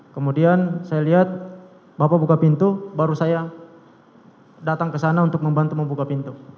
kemudian saya lihat bapak buka pintu baru saya datang ke sana untuk membantu membuka pintu